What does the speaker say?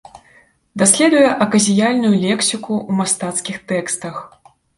Даследуе аказіянальную лексіку ў мастацкіх тэкстах.